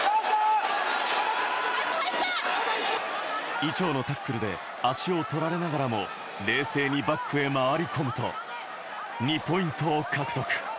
伊調のタックルで足を取られながらも冷静にバックへ回り込むと、２ポイントを獲得。